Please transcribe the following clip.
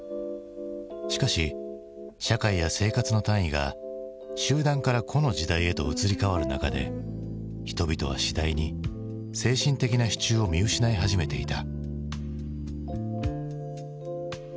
しかし社会や生活の単位が集団から個の時代へと移り変わる中で人々は次第に精神的な支柱を見失い始めていた。